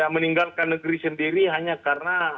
meninggalkan negeri sendiri hanya karena